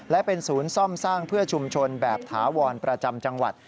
และเป็นศูนย์ซ่อมสร้างเพื่อชุมชนแบบถาวรประจำจังหวัด